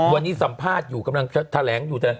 วันนี้สัมภาษณ์อยู่กำลังแถลงอยู่